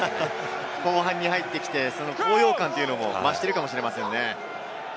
後半に入ってきて高揚感も増しているかもしれませんね。